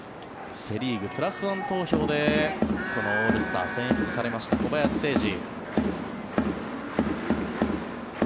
セ・リーグ、プラスワン投票でこのオールスター選出されました小林誠司。